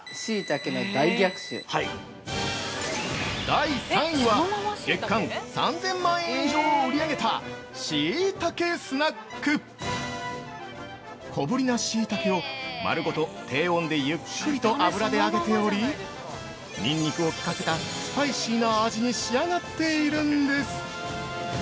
◆第３位は、月間３０００万円以上を売り上げた「しいたけスナック」小ぶりなシイタケを丸ごと低温でゆっくりと油で揚げておりニンニクを利かせたスパイシーな味に仕上がっているんです。